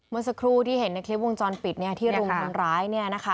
เมื่อสักครู่ที่เห็นในคลิปวงจรปิดที่รุมทำร้าย